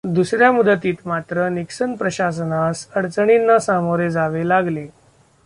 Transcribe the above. दुसऱ्या मुदतीत मात्र निक्सन प्रशासनास अडचणींना सामोरे जावे लागले.